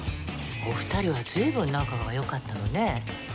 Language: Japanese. お二人は随分仲がよかったのね。